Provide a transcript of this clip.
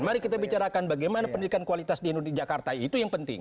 mari kita bicarakan bagaimana pendidikan kualitas di jakarta itu yang penting